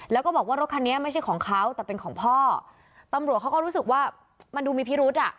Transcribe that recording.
แล้วก็บอกว่ารถคันนี้ไม่ใช่ของเขาแต่เป็นของพ่อตำรวจเขาก็รู้สึกว่ามันดูมีพิรุษอ่ะ